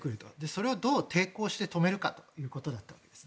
それをどう抵抗して止めるかということになります。